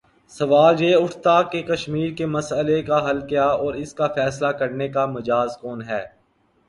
سوال یہ اٹھتا کہ کشمیر کے مسئلے کا حل کیا اور اس کا فیصلہ کرنے کا مجاز کون ہے؟